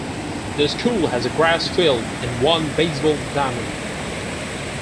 The school has a grass field and one baseball diamond.